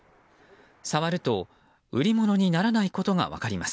触ると売り物にならないことが分かります。